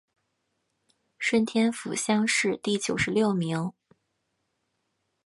顺天府乡试第九十六名。